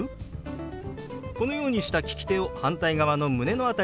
このようにした利き手を反対側の胸の辺りからこう動かします。